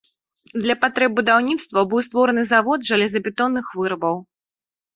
Для патрэб будаўніцтва быў створаны завод жалезабетонных вырабаў.